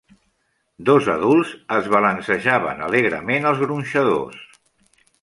Dos adults es balancejaven alegrement als gronxadors.